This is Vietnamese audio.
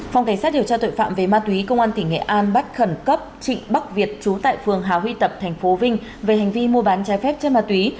phòng cảnh sát điều tra tội phạm về ma túy công an tỉnh nghệ an bắt khẩn cấp trịnh bắc việt trú tại phường hà huy tập tp vinh về hành vi mua bán trái phép chất ma túy